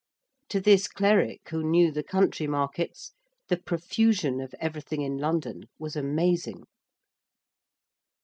To this cleric who knew the country markets, the profusion of everything in London was amazing.